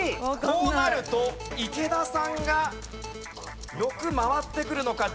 こうなると池田さんが６回ってくるのか？